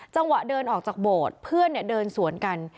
จังหวะเดินออกจากโบสถ์เพื่อนเดินสวนกัน